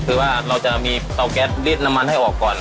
คือว่าเราจะมีเตาแก๊สรีดน้ำมันให้ออกก่อน